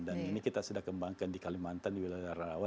dan ini kita sudah kembangkan di kalimantan di wilayah rawa